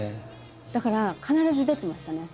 だから必ず出てましたね